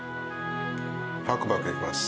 パクパクいきます。